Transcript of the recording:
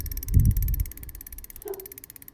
年轻地球创造论最早的根源来自犹太教。